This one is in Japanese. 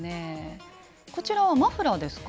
こちらはマフラーですか？